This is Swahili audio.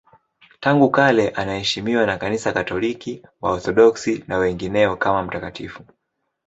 Tangu kale anaheshimiwa na Kanisa Katoliki, Waorthodoksi na wengineo kama mtakatifu.